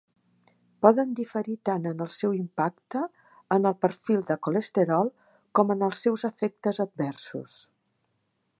Poden diferir tant en el seu impacte en el perfil del colesterol com en els seus afectes adversos.